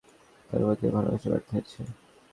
আমার প্রতি তোমার ভালোবাসা ব্যর্থ হয়েছে।